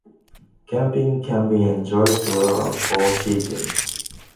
Camping can be enjoyed through all four seasons.